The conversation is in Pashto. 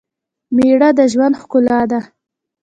مېړه دژوند ښکلا ده